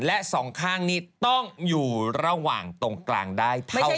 และสองข้างนี้ต้องอยู่ระหว่างตรงกลางได้เท่านั้น